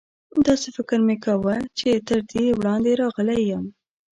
داسې فکر مې کاوه چې تر دې وړاندې راغلی یم.